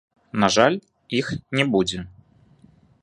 На жаль, іх не будзе.